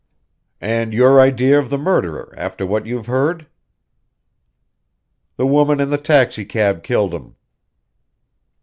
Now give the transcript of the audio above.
"And your idea of the murderer, after what you've heard?" "The woman in the taxicab killed him."